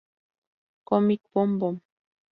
Comic Bom Bom